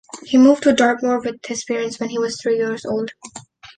He moved to Dartmoor with his parents when he was three years old.